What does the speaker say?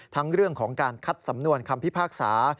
ทั้งเรื่องของการคัดสำนวนคำพิพากษา